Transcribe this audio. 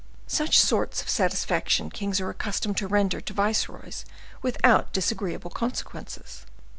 Such sorts of satisfaction kings are accustomed to render to viceroys without disagreeable consequences.